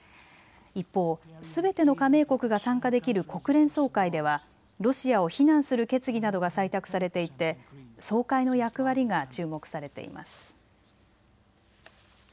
一方、すべての加盟国が参加できる国連総会ではロシアを非難する決議などが採択されていて総会の役割が注目されています。